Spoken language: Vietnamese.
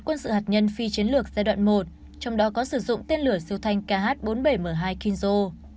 quân sự hạt nhân phi chiến lược giai đoạn một trong đó có sử dụng tên lửa siêu thanh kh bốn mươi bảy m hai kinzo